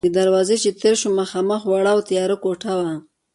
له دروازې چې تېر شوم، مخامخ وړه او تیاره کوټه وه.